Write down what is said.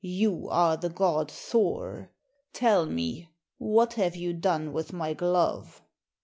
You are the god Thor. Tell me, what have you done with my glove?"